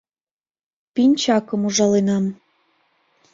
— Пинчакым ужаленам...